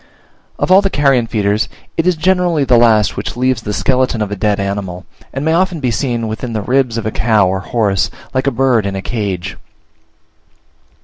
Of all the carrion feeders it is generally the last which leaves the skeleton of a dead animal, and may often be seen within the ribs of a cow or horse, like a bird in a cage.